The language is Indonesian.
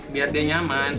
biar dia nyaman